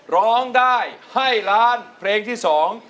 ร้องได้ให้ล้านเพลงที่สอง